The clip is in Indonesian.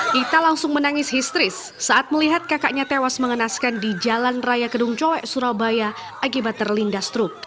dita langsung menangis histeris saat melihat kakaknya tewas mengenaskan di jalan raya kedung coek surabaya akibat terlindas truk